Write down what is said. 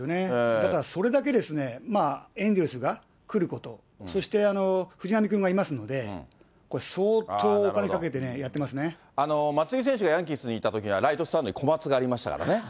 だからそれだけ、エンゼルスが来ること、そして藤浪君がいますので、相当、松井選手がヤンキースにいたときにはライトスタンド、コマツがありましたからね。